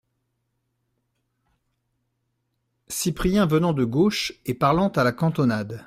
Cyprien venant de gauche et parlant à la cantonade.